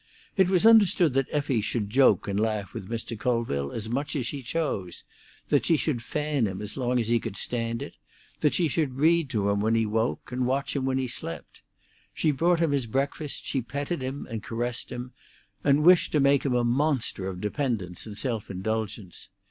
It was understood that Effie should joke and laugh with Mr. Colville as much as she chose; that she should fan him as long as he could stand it; that she should read to him when he woke, and watch him when he slept. She brought him his breakfast, she petted him and caressed him, and wished to make him a monster of dependence and self indulgence.